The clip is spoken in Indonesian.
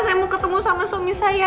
saya mau ketemu sama suami saya